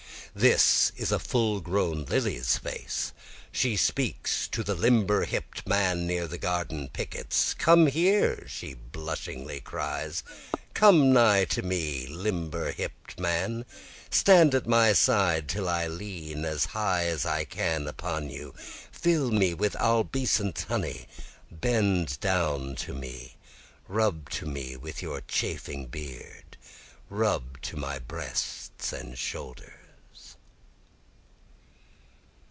This is a full grown lily's face, She speaks to the limber hipp'd man near the garden pickets, Come here she blushingly cries, Come nigh to me limber hipp'd man, Stand at my side till I lean as high as I can upon you, Fill me with albescent honey, bend down to me, Rub to me with your chafing beard, rub to my breast and shoulders.